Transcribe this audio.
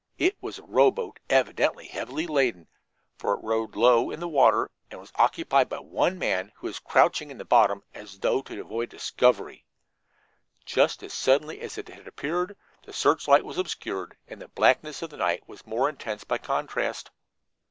It was a row boat, evidently heavily laden, for it rode low in the water, and it was occupied by one man, who was crouching in the bottom as though to avoid discovery! Just as suddenly as it had appeared, the searchlight was obscured, and the blackness of the night was more intense by contrast.